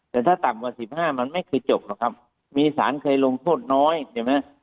แต่ถ้าต่ำกว่า๑๕มันไม่คือจบหรอกครับมีศาลเคยลงโทษน้อยเห็นไหม